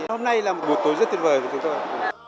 hôm nay là một buổi tối rất tuyệt vời của chúng tôi